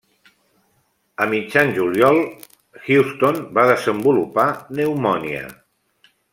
A mitjan juliol, Houston va desenvolupar pneumònia.